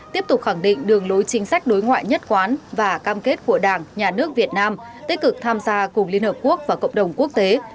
tiếp tục khẳng định đường lối chính sách đối ngoại nhất quán và cam kết của đảng nhà nước việt nam tích cực tham gia cùng liên hợp quốc và cộng đồng quốc tế